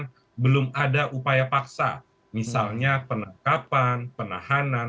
karena belum ada upaya paksa misalnya penangkapan penahanan